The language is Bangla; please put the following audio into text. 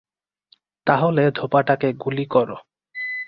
তাহলে ধোপাটাকে গুলি করো!